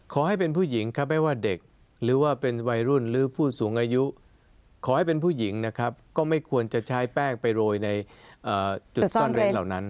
ขอให้เป็นผู้หญิงครับไม่ว่าเด็กหรือว่าเป็นวัยรุ่นหรือผู้สูงอายุขอให้เป็นผู้หญิงนะครับก็ไม่ควรจะใช้แป้งไปโรยในจุดซ่อนเร้นเหล่านั้น